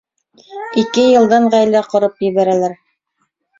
Ике йылдан ғаилә ҡороп ебәрәләр.